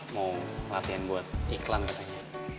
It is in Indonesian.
mau latihan buat iklan katanya